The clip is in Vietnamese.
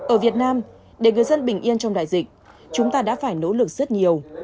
ở việt nam để người dân bình yên trong đại dịch chúng ta đã phải nỗ lực rất nhiều